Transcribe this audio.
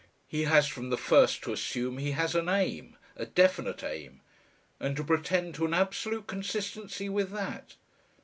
He has from the first to assume he has an Aim, a definite Aim, and to pretend to an absolute consistency with that.